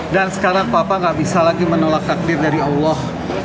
dan sekarang papa gak bisa lagi menolak takdir dari allah